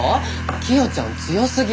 キヨちゃん強すぎ！